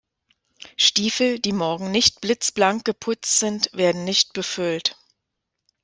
Stiefel, die morgen nicht blitzblank geputzt sind, werden nicht befüllt.